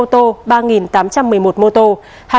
tước một ba trăm sáu mươi một giấy phép lái xe các loại